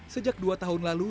sejak dua tahun lalu